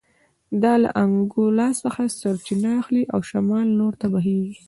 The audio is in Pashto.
دا له انګولا څخه سرچینه اخلي او شمال لور ته بهېږي